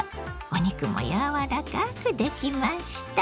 お肉もやわらかくできました。